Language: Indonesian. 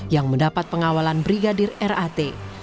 yang mendapat pengawalan brigadir rat